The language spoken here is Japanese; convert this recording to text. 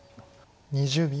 ２０秒。